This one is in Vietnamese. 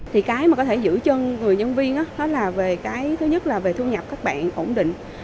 thì cái mà có thể giữ chân người nhân viên đó là về cái thứ nhất là về thu nhập các bạn ổn định